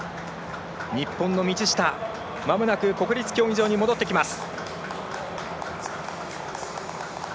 日本の道下まもなく国立競技場に戻ってきます。